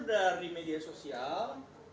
dari media sosial